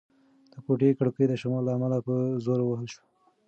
د کوټې کړکۍ د شمال له امله په زوره ووهل شوه.